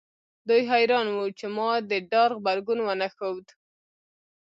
دوی حیران وو چې ما د ډار غبرګون ونه ښود